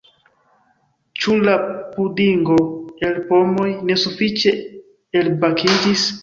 Ĉu la pudingo el pomoj ne sufiĉe elbakiĝis?